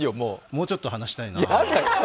もうちょっと話したいなぁ。